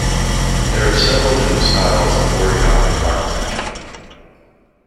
There are several different styles of origamic architecture.